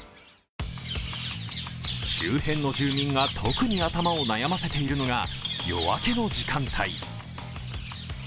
周辺の住民が特に頭を悩ませているのが、夜明けの時間帯。